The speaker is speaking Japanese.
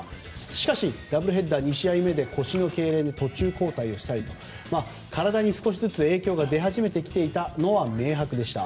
しかしダブルヘッダー２試合目で腰のけいれんで途中交代をしたりと体に少しずつ影響が出始めてきていたのは明白でした。